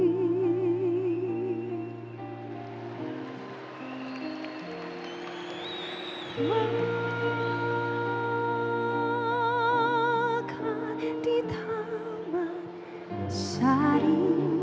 memakan di taman sari